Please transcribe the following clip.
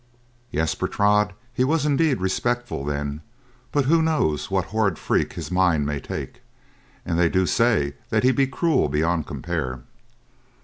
"Yes, Bertrade, he was indeed respectful then, but who knows what horrid freak his mind may take, and they do say that he be cruel beyond compare.